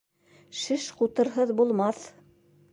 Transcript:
Шеш ҡутырһыҙ булмаҫ.